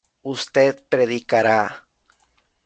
usted predicará